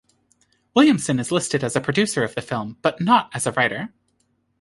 Williamson is listed as a producer of the film, but not as a writer.